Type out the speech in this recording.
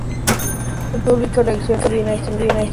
El público reacciona bien a esta nueva gira.